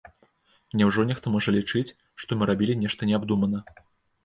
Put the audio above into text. Няўжо нехта можа лічыць, што мы рабілі нешта неабдумана?